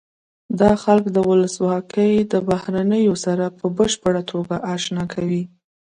دا خلک د ولسواکۍ له بهیرونو سره په بشپړه توګه اشنا شوي.